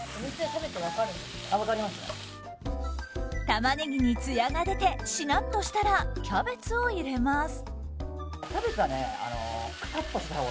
タマネギにつやが出てしなっとしたらキャベツを入れます。